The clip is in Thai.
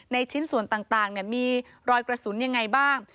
ชิ้นส่วนต่างมีรอยกระสุนยังไงบ้าง